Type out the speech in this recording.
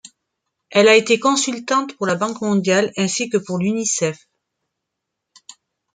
Elle a été consultante pour la Banque mondiale ainsi que pour l’Unicef.